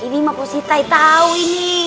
ini mah pos siti tau ini